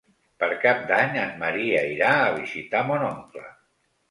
Per Cap d'Any en Maria irà a visitar mon oncle.